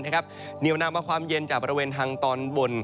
เหนียวนำเอาความเย็นจากบริเวณทางตอนบน